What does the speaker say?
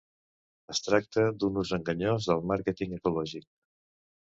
Es tracta d'un ús enganyós del màrqueting ecològic.